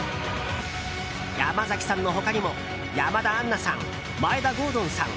山崎さんの他にも山田杏奈さん、眞栄田郷敦さん